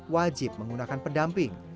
wajib menggunakan pendamping